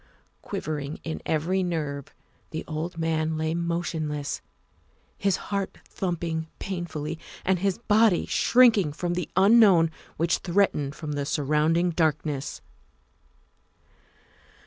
Quivering in every nerve, the old man lay motionless, his heart thumping painfully and his body shrinking from the unknown which threatened from the surround ing darkness.